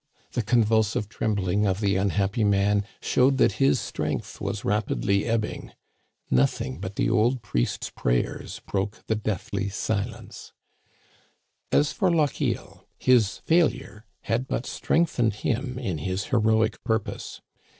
The con vulsive trembling of the unhappy man showed that his strength was rapidly ebbing. Nothing but the old priest's prayers broke the deathly silence. As for Lochiel, his failure had but strengthened him in his heroic purpose.